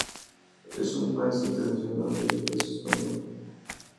Es un Maestro Internacional de ajedrez español.